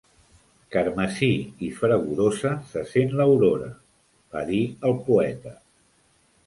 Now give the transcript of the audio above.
"Carmesí i fragorosa se sent l'aurora", va dir el poeta.